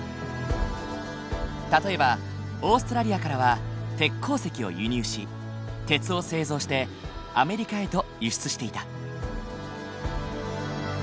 例えばオーストラリアからは鉄鉱石を輸入し鉄を製造してアメリカへと輸出していた。